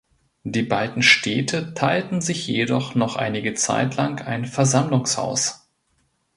Die beiden Städte teilten sich jedoch noch einige Zeit lang ein Versammlungshaus.